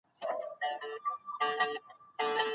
زده کوونکي پوښتني کولې او تعليم زياتېده.